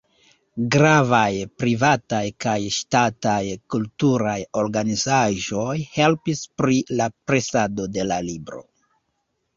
Gravaj privataj kaj ŝtataj kulturaj organizaĵoj helpis pri la presado de la libro.